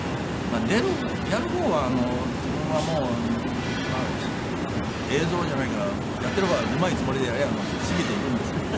出るやる方は自分はもう映像じゃないからやっている方はうまいつもりでやりゃ過ぎていくんですけど。